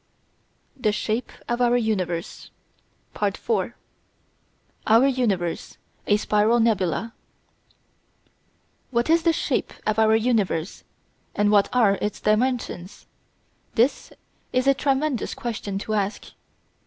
THE SHAPE OF OUR UNIVERSE § 4 Our Universe a Spiral Nebula What is the shape of our universe, and what are its dimensions? This is a tremendous question to ask.